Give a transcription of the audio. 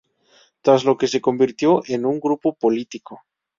Tras lo que se convirtió en un grupo político.